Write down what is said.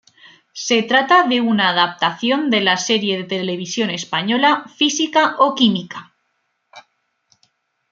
Se trata de una adaptación de la serie de televisión española "Física o química".